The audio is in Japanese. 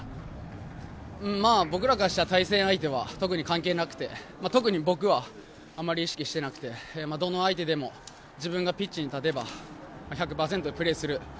僕らからしたら対戦相手は特に関係なくて特に僕はあまり意識してなくてどの相手でも自分がピッチに立てば１００％プレーする。